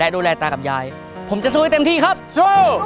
ดูครอบครัวนี้แล้ว